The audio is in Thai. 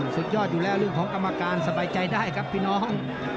สุดยอดอยู่แล้วเรื่องของกรรมการสบายใจได้ครับพี่น้อง